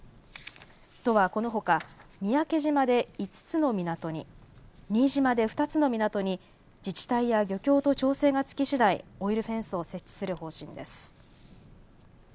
都はこのほか三宅島で５つの港に、新島で２つの港に自治体や漁協と調整が付きしだい、オイルフェンスを設置する方針です。